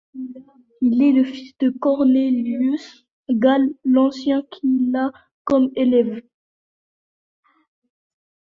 Il est le fils de Cornelius Galle l'Ancien qui l'a comme élève.